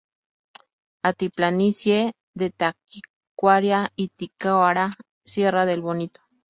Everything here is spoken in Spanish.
Altiplanicie de Taquari-Itiquira, Sierra del Bonito